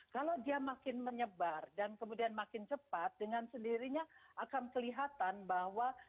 kalau dia makin menyebar dan kemudian makin cepat dengan sendirinya akan kelihatan bahwa